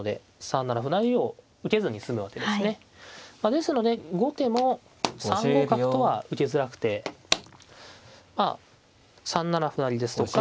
ですので後手も３五角とは受けづらくてまあ３七歩成ですとか。